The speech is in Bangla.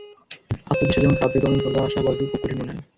আত্মবিশ্বাস যখন খারাপ থাকে সোজা আসা বলকেও খুব কঠিন মনে হয়।